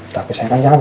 tapi saya kan jantan